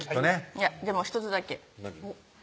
いやでも１つだけ何？